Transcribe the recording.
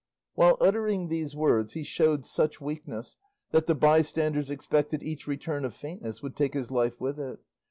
While uttering these words he showed such weakness that the bystanders expected each return of faintness would take his life with it.